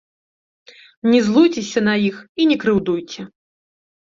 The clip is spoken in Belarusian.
Не злуйцеся нас іх і не крыўдуйце.